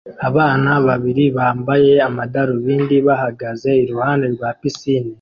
Abana babiri bambaye amadarubindi bahagaze iruhande rwa pisine